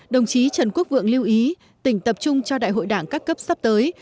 đồng chí trần quốc vượng lưu ý tỉnh tập trung cho đại hội đảng các cấp sắp tới